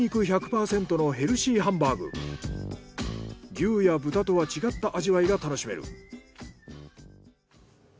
牛や豚とは違った味わいが楽しめる。